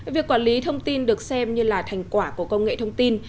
việc quản lý thông tin được xem như là thành quả của công nghệ thông tin